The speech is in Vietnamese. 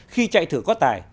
khi chạy thử có tài